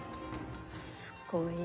すごいね。